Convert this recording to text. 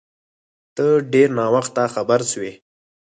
ته ډیر ناوخته خبر سوی